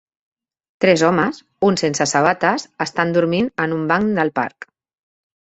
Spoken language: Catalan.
Tres homes, un sense sabates, estan dormint en un banc del parc.